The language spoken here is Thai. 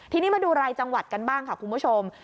ทีนี้มาดูรายจังหวัดกันบ้างค่ะคุณผู้ชม